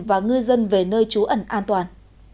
và ngư dân về nơi trú ẩn an toàn